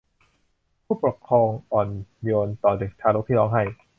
ผู้ปกครองอ่อนโยนต่อเด็กทารกที่ร้องไห้